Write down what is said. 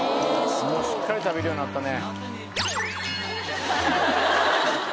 しっかり食べるようになったね。